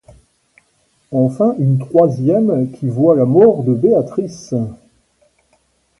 Enfin une troisième qui voit la mort de Béatrice.